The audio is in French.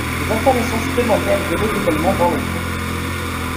Des installations supplémentaires devaient également voir le jour.